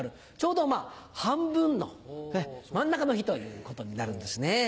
ちょうど半分の真ん中の日ということになるんですね。